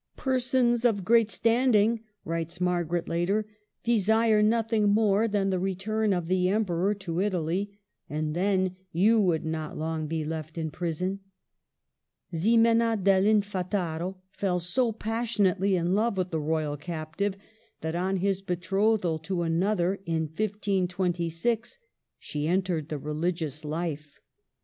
''Persons of great standing," writes Margaret later, "desire nothing more than the return of the Emperor to Italy ; and then you would not long be left in prison !" Ximena del Infantado fell so passionately in love with the royal captive, that on his betrothal to another in 1526 she entered the rehgious life.